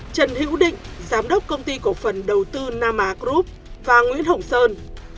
trần hữu định giám đốc công ty cổ phần đầu tư nam á group và nguyễn hồng sơn